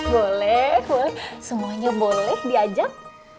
boleh semuanya boleh diajak